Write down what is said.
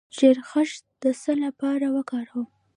د شیرخشت د څه لپاره وکاروم؟